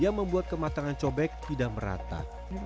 yang membuat kematangan cobek tidak merata